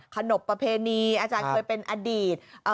ขนบประเพณีอาจารย์เคยเป็นอดีต